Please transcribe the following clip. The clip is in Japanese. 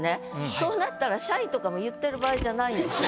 そうなったら「社員」とかも言ってる場合じゃないんです。